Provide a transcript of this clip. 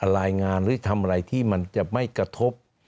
รายงานหรือทำอะไรที่มันจะไม่กระทบ